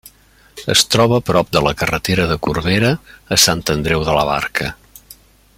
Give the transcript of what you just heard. Es troba prop de la carretera de Corbera a Sant Andreu de la Barca.